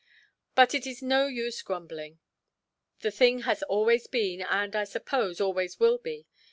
But it is no use grumbling; the thing has always been, and I suppose always will be.